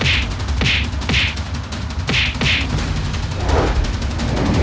kedai yang menangis